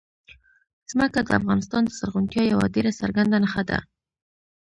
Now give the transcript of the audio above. ځمکه د افغانستان د زرغونتیا یوه ډېره څرګنده نښه ده.